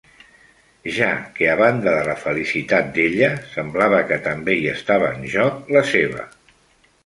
Ja que a banda de la felicitat d'ella, semblava que també hi estava en joc la seva.